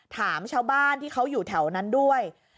ถามชาวบ้านที่เขาอยู่แถวนั้นด้วย